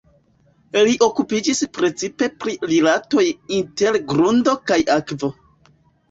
Li okupiĝas precipe pri rilatoj inter grundo kaj akvo.